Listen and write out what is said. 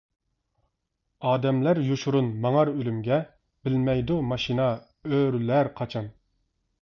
ئادەملەر يوشۇرۇن ماڭار ئۆلۈمگە، بىلمەيدۇ، ماشىنا ئۆرۈلەر قاچان؟ !